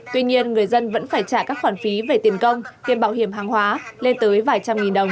tuy nhiên người dân vẫn phải trả các khoản phí về tiền công tiền bảo hiểm hàng hóa lên tới vài trăm nghìn đồng